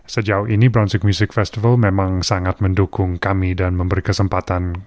sejauh ini browsing music festival memang sangat mendukung kami dan memberi kesempatan